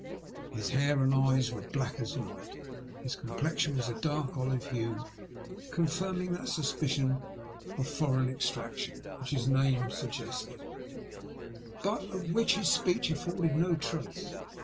His hair and eyes were black as night, his complexion was a dark olive hue, confirming that suspicits of ENGLAND ONCE MORE. 56 foreign extraction which his name suggested, but of which his speech afforded no trace.